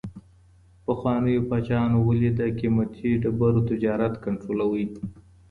پخوانیو پاچاهانو ولې د قیمتي ډبرو تجارت کنټرولاوه؟